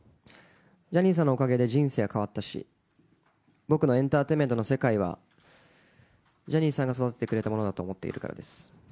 ジャニーさんのおかげで人生は変わったし、僕のエンターテインメントの世界は、ジャニーさんが育ててくれたものだと思っているからです。